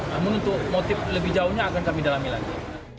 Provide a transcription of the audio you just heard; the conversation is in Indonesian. namun untuk motif lebih jauhnya akan kami dalami lagi